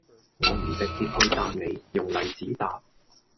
我唔直接去答你,用例子答